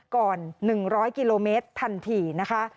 ก่อน๑๐๐กิโลเมตรทันทีนะคะ